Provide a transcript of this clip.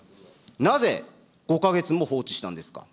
なぜ５か月も放置したんですか。